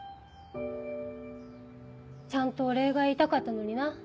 ちゃんとお礼が言いたかったのにな。